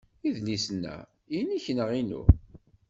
Idlisen-a, inek neɣ inu?